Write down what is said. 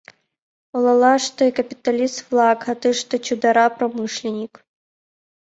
Олалаште — капиталист-влак, а тыште — чодыра промышленник.